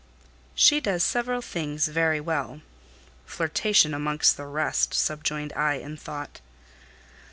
"She does several things very well." ("Flirtation amongst the rest," subjoined I, in thought.)